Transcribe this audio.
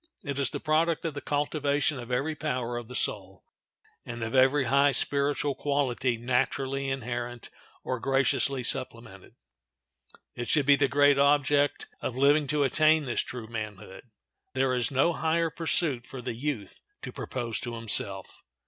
It is the product of the cultivation of every power of the soul, and of every high spiritual quality naturally inherent or graciously supplemented. It should be the great object of living to attain this true manhood. There is no higher pursuit for the youth to propose to himself.